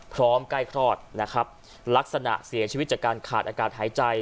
ใกล้คลอดนะครับลักษณะเสียชีวิตจากการขาดอากาศหายใจ